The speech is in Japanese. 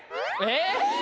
えっ！